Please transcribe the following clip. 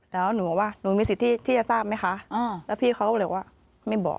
แล้วหนูบอกว่าหนูมีสิทธิที่จะทราบไหมคะแล้วพี่เขาเลยว่าไม่บอก